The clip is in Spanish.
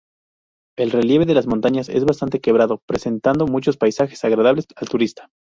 El relieve de las montañas es bastante quebrado, presentando muchos paisajes agradables al turista.